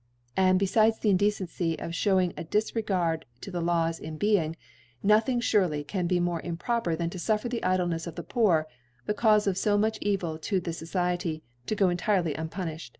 And befides the Indecency of fhewing a Difregird to the Laws in being, nothing ftirely can be more improper than to fuffer the Idlenefs of the Poor, the Caufe of fo much Evil to the Society, to go entirely unpuniibed.